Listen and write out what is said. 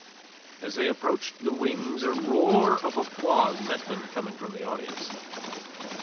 As they approached the wings a roar of applause met them coming from the audience.